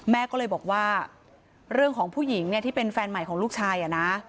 แม่ก็เลยบอกว่าเรื่องของผู้หญิงเนี่ยที่เป็นแฟนใหม่ของลูกชายนะ